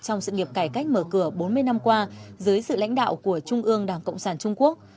trong sự nghiệp cải cách mở cửa bốn mươi năm qua dưới sự lãnh đạo của trung ương đảng cộng sản trung quốc